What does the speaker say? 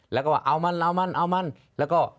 แล้วก็ว่าเอามันเอามันเอามันแล้วก็